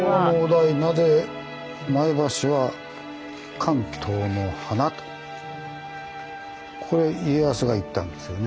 「なぜ前橋は“関東の華”？」と。これ家康が言ったんですよね。